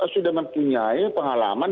sudah mempunyai pengalaman